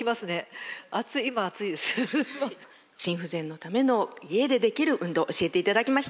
心不全のための家でできる運動教えていただきました。